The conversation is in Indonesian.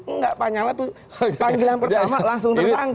enggak pak nyala tuh panggilan pertama langsung tersangka